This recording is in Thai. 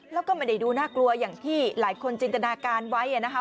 แล้วก็ไม่ได้ดูน่ากลัวอย่างที่หลายคนจินตนาการไว้นะคะ